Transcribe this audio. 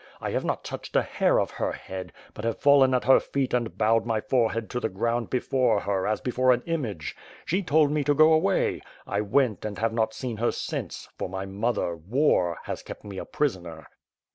I have not touched a hair of her head, but have fallen at her feet and bowed my forehead to the ground before her, as before an image. She told me to go away — ^I went, and have not seen her since, for my mother, war, has kept me a prisoner."